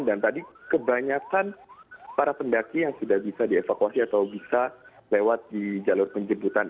dan tadi kebanyakan para pendaki yang sudah bisa dievakuasi atau bisa lewat di jalur penjemputan